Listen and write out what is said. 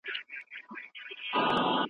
هغوی د غریبۍ له امله له سختو ستونزو سره مخ دي.